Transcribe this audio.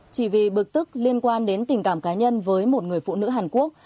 chỉ vì bực tức liên quan đến tình cảm cá nhân với một người phụ nữ hàn quốc